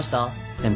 先輩。